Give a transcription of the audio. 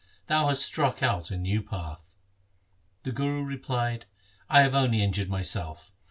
Thou hast struck out a new path.' The Guru replied, ' I have only injured myself.